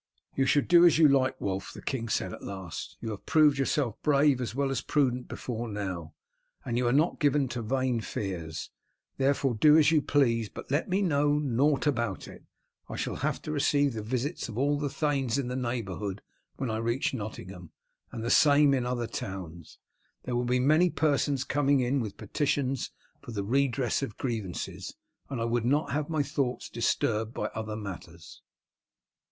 "You shall do as you like, Wulf," the king said at last. "You have proved yourself brave as well as prudent before now, and are not given to vain fears, therefore do as you please, but let me know nought about it. I shall have to receive the visits of all the thanes of the neighbourhood when I reach Nottingham, and the same in other towns. There will be many persons coming in with petitions for the redress of grievances, and I would not have my thoughts disturbed by other matters."